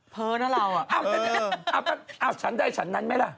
เพ้อนะเราอ่ะอ้าวฉันได้ฉันนั้นไหมล่ะ